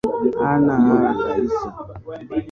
Hana raha kabisa.